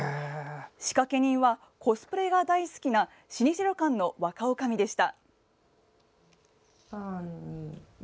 仕掛け人は、コスプレが大好きな老舗旅館の若女将でした。